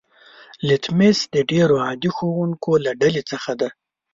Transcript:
لتمس د ډیرو عادي ښودونکو له ډلې څخه دی.